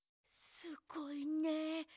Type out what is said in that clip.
すごいね。